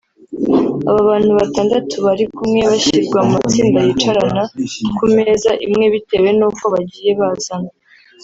Abantu batandatu bari kumwe bashyirwa mu matsinda yicarana ku meza imwe bitewe n’uko bagiye bazana